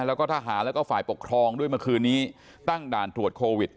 แล้วก็ทหารแล้วก็ฝ่ายปกครองด้วยเมื่อคืนนี้ตั้งด่านตรวจโควิด